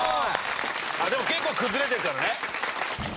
でも結構崩れてるからね。